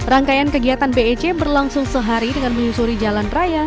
rangkaian kegiatan bec berlangsung sehari dengan menyusuri jalan raya